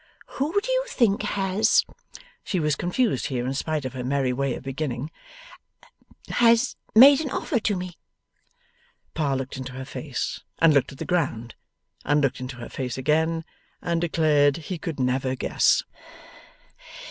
Who do you think has' she was confused here in spite of her merry way of beginning 'has made an offer to me?' Pa looked in her face, and looked at the ground, and looked in her face again, and declared he could never guess.